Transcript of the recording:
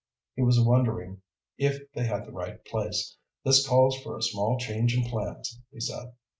He was wondering if they had the right place. "This calls for a small change in plans," he said.